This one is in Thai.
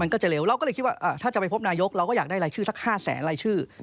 ก็จะเร็วเราก็เลยคิดว่าถ้าจะไปพบนายกเราก็อยากได้รายชื่อสัก๕แสนรายชื่อ